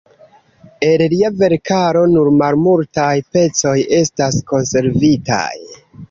El lia verkaro nur malmultaj pecoj estas konservitaj.